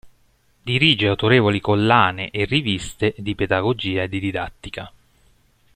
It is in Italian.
Dirige autorevoli collane e riviste di pedagogia e di didattica.